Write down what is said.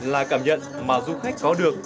là cảm nhận mà du khách có được